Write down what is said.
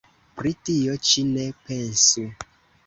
Pri tio ĉi ne pensu!